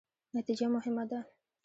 نتیجه مهمه ده